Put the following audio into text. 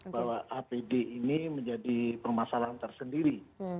bahwa apd ini menjadi permasalahan tersendiri